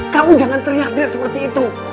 kamu jangan teriak teriak seperti itu